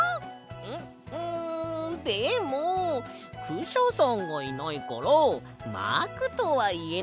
んっんでもクシャさんがいないからマークとはいえないよ。